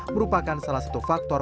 merupakan salah satu faktor